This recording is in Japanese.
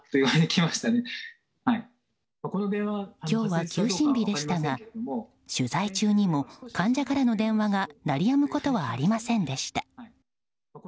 今日は休診日でしたが取材中にも患者からの電話が鳴りやむことはありませんでした。